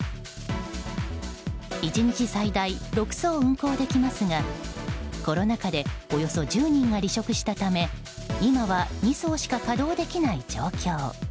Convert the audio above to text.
１日最大６艘運航できますがコロナ禍でおよそ１０人が離職したため今は２艘しか稼働できない状況。